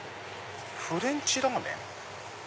フレンチラーメン？